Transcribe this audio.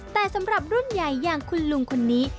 แต่สำหรับรุ่นใหญ่อย่างคุณลุงคนนี้